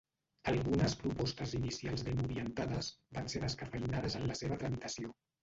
Algunes propostes inicials ben orientades van ser descafeïnades en la seva tramitació.